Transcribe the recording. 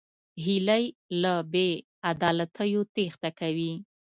هیلۍ له بېعدالتیو تېښته کوي